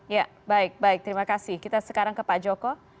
ya baik baik terima kasih kita sekarang ke pak joko